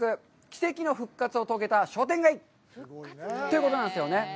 奇跡の復活を遂げた商店街」ということなんですよね。